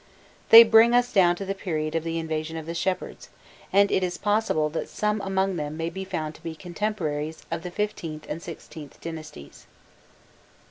They bring us down to the period of the invasion of the Shepherds, and it is possible that some among them may be found to be contemporaries of the XVth and XVIth dynasties.